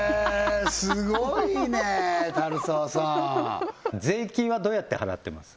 すごいね足澤さん税金はどうやって払ってます？